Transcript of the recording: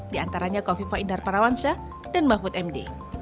diantaranya kofi faidar parawansyah dan mahfud md